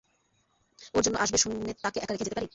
ওর জন্য আসবে শোনে তাকে একা রেখে যেতে পারি?